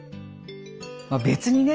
別にね